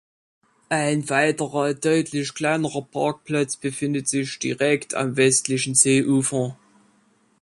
Ein weiterer, deutlich kleinerer Parkplatz befindet sich direkt am westlichen Seeufer.